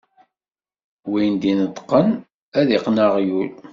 Win d-ineṭqen, ad iqqen aɣyul.